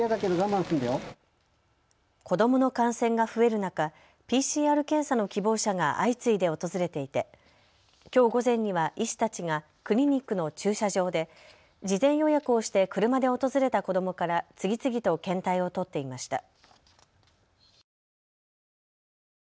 子どもの感染が増える中ＰＣＲ検査の希望者が相次いで訪れていてきょう午前には医師たちがクリニックの駐車場で事前予約をして車で訪れた子どもから次々と検体を取っていました。